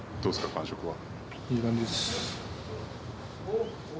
感触は。